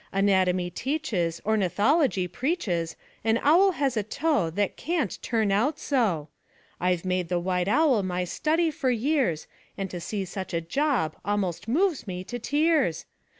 Anatomy teaches, Ornithology preaches, An owl has a toe That can't turn out so! I've made the white owl my study for years, And to see such a job almost moves me to tears!